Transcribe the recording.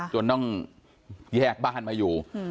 จนต้องแยกบ้านมาอยู่